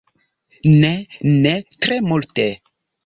Ne, ne tre multe!